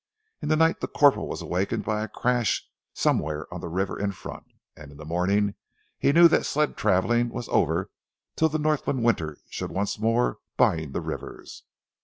In the night the corporal was awakened by a crash somewhere on the river in front, and in the morning he knew that sled travelling was over till the Northland winter should once more bind the rivers.